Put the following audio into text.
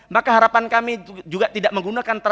maka harapan kami juga tidak menggunakan